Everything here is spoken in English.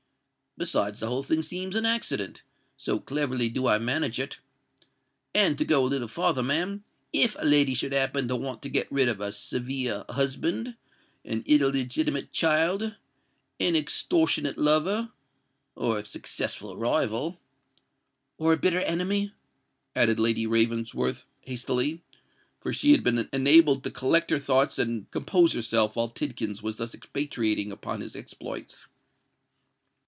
Besides, the whole thing seems an accident—so cleverly do I manage it. And, to go a little farther, ma'am—if a lady should happen to want to get rid of a severe husband—an illegitimate child—an extortionate lover—or a successful rival——" "Or a bitter enemy?" added Lady Ravensworth, hastily—for she had been enabled to collect her thoughts and compose herself while Tidkins was thus expatiating upon his exploits.